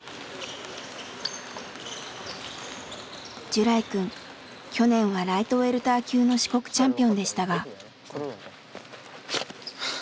ジュライくん去年はライトウェルター級の四国チャンピオンでしたが。